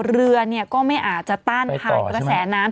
เรือก็ไม่อาจจะต้านทานกระแสน้ำ